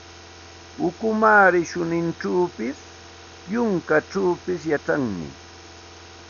Ukumaari suninchawpis, yunkachawpis yachanmi.